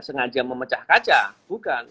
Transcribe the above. sengaja memecah kaca bukan